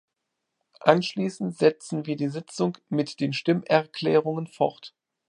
Anschließend setzen wir die Sitzung mit den Stimmerklärungen fort.